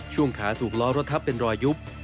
ช่วงขาถูกล้อรถทับเป็นรอยยุบ